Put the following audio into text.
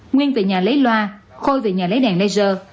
nguyên về nhà lấy loa khôi về nhà lấy đèn laser